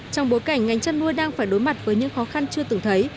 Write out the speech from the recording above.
trong bối cảnh ngành chăn nuôi đang phải đối mặt với những khó khăn chưa từng thấy